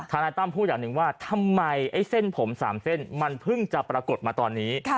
นายตั้มพูดอย่างหนึ่งว่าทำไมไอ้เส้นผม๓เส้นมันเพิ่งจะปรากฏมาตอนนี้